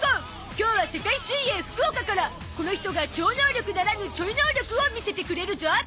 今日は世界水泳福岡からこの人が超能力ならぬちょい能力を見せてくれるゾ！